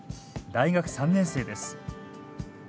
大学３年生です。